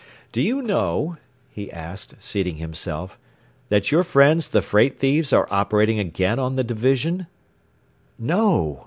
"Do you know," he asked, seating himself, "that your friends the freight thieves are operating again on the division?" "No!"